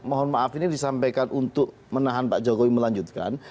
mohon maaf ini disampaikan untuk menahan pak jokowi melanjutkan